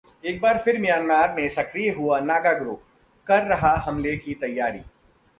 एक बार फिर म्यामांर में सक्रिय हुआ नागा ग्रुप, कर रहा हमले की तैयारी